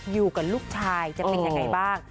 อยู่กับลูกชายจะเป็นยังไงบ้าง